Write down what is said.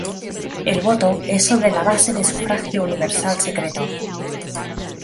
El voto es sobre la base de sufragio universal secreto.